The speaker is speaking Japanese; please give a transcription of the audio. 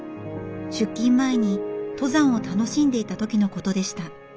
出勤前に登山を楽しんでいた時のことでした。